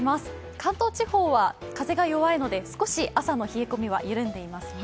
関東地方は風が弱いので少し朝の冷え込みは緩んでいますね。